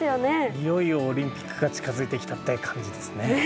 いよいよオリンピックが近づいてきたって感じですね。